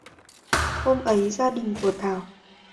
hôm ấy gia đình của thảo